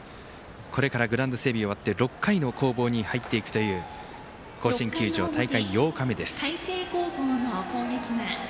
グラウンド整備が終わって６回の攻防に入っていくという甲子園球場、大会８日目です。